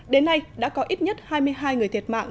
đến nay đã có ít nhất hai mươi hai người thiệt mạng